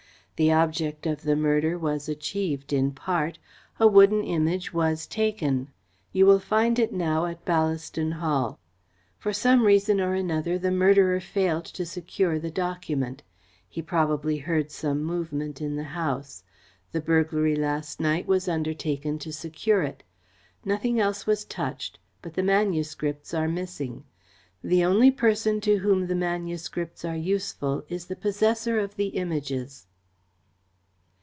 The object of the murder was achieved in part. A wooden Image was taken. You will find it now at Ballaston Hall. For some reason or another, the murderer failed to secure the document. He probably heard some movement in the house. The burglary last night was undertaken to secure it. Nothing else was touched, but the manuscripts are missing. The only person to whom the manuscripts are useful is the possessor of the Images."